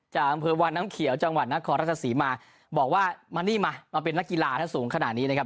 อำเภอวังน้ำเขียวจังหวัดนครราชศรีมาบอกว่ามานี่มามาเป็นนักกีฬาถ้าสูงขนาดนี้นะครับ